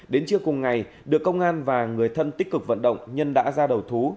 đến trưa cùng ngày được công an và người thân tích cực vận động nhân đã ra đầu thú